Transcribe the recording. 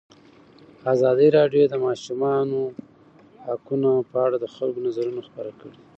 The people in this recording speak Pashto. ازادي راډیو د د ماشومانو حقونه په اړه د خلکو نظرونه خپاره کړي.